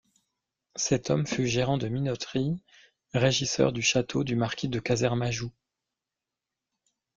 Cet homme fut gérant de minoterie, régisseur du château du Marquis de Cazermajou.